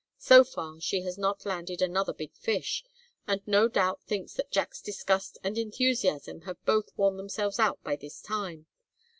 So far, she has not landed another big fish, and no doubt thinks that Jack's disgust and enthusiasm have both worn themselves out by this time.